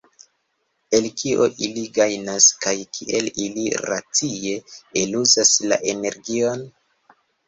El kio ili gajnas kaj kiel ili racie eluzas la energion?